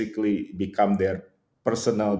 kami menjadi perusahaan mereka